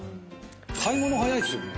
買い物早いっすよね。